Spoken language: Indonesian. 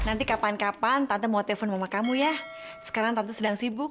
nanti kapan kapan tante mau telepon sama kamu ya sekarang tante sedang sibuk